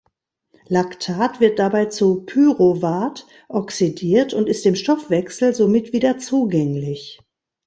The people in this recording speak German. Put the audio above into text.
Lactat wird dabei zu Pyruvat oxidiert und ist dem Stoffwechsel somit wieder zugänglich.